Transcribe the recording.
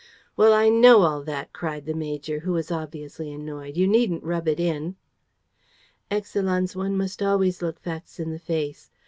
"Well, I know all that," cried the major, who was obviously annoyed. "You needn't rub it in!" "Excellenz, one must always look facts in the face.